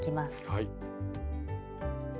はい。